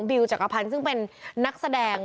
บิลจักรพรรณซึ่งเป็นนักแสดง